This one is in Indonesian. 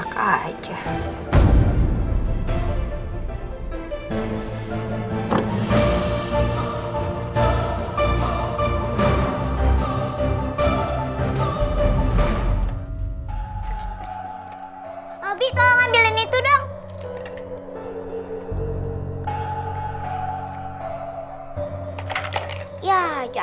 aku harus bikin perhitungan sama reva